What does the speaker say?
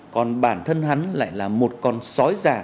còn bản thân hắn lại là một con sói già